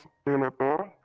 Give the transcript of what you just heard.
atau dari newsletter